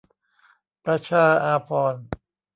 ประชาอาภรณ์